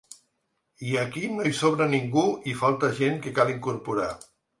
I aquí no hi sobra ningú i falta gent que cal incorporar.